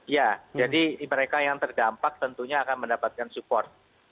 ya jadi mereka yang terdampak tentunya akan mendapatkan support